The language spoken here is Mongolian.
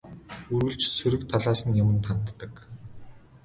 Үргэлж сөрөг талаас нь юманд ханддаг.